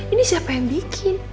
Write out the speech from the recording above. ini siapa yang bikin